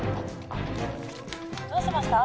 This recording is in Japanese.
「どうしました？」